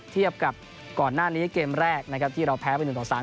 เทียบกับก่อนหน้านี้เกมแรกนะครับที่เราแพ้ไป๑ต่อ๓